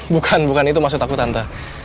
bukan bukan itu maksud aku tante